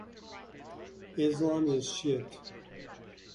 Islam is shit.